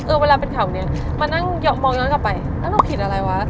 เวลาเป็นข่าวเนี้ยมานั่งมองย้อนกลับไปแล้วเราผิดอะไรวะ